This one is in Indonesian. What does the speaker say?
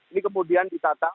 ini kemudian ditatang